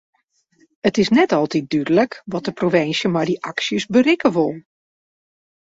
It is net altyd dúdlik wat de provinsje met dy aksjes berikke wol.